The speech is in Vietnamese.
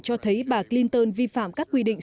cho thấy bà clinton vi phạm các quy định